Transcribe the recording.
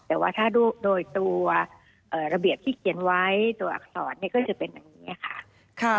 แต่ว่าถ้าโดยตัวระเบียบที่เขียนไว้ตัวอักษรก็จะเป็นอย่างนี้ค่ะ